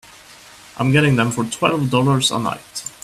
I'm getting them for twelve dollars a night.